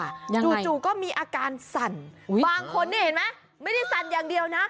จู่จู่ก็มีอาการสั่นบางคนนี่เห็นไหมไม่ได้สั่นอย่างเดียวนะ